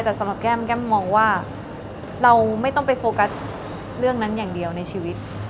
แต่สำหรับแก้มแก้มมองว่าเราไม่ต้องไปโฟกัสเรื่องนั้นอย่างเดียวในชีวิต